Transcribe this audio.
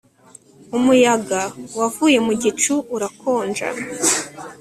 umuyaga wavuye mu gicu, urakonja